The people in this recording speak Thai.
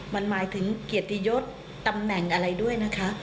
มันหมายถึงเกียรติยศตำแหน่งอะไรด้วยนะคะ